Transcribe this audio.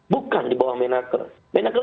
bukan dibawah kemenaker kemenaker